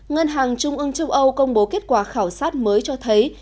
ngân hàng trung ương châu âu công bố kết quả khảo sát mới cho thấy